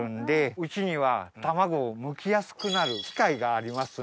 うちには卵をむきやすくなる機械がありますんで。